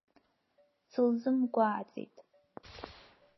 Сылзымгәааӡеит.